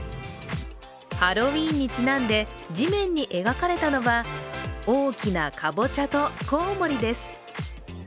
ハロウィーンにちなんで地面に描かれたのは大きなかぼちゃと、こうもりです。